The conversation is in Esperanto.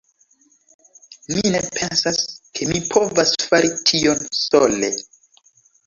Mi ne pensas ke mi povas fari tion sole.